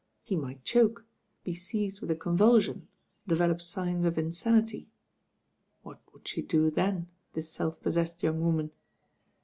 He might choke, be seized with a con vulsion, develop signs of insanity. What would she do then, this self possessed young woman?